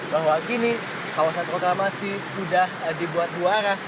bahwa kini kawasan proklamasi sudah dibuat muara